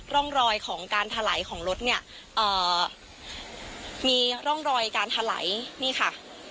ร่องรอยของการถลายของรถเนี่ยมีร่องรอยการถลายนี่ค่ะ